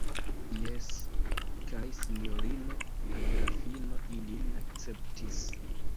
Jes, kaj sinjorino la grafino ilin akceptis.